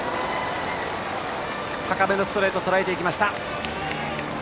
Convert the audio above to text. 高めのストレートをとらえていきました。